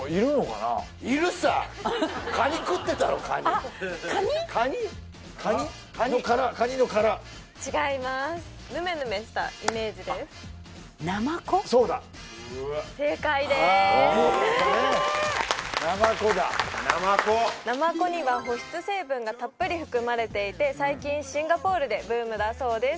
なまこには保湿成分がたっぷり含まれていて最近シンガポールでブームだそうです